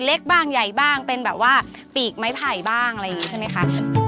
เล็กบ้างใหญ่บ้างเป็นแบบว่าปีกไม้ไผ่บ้างอะไรอย่างนี้ใช่ไหมคะ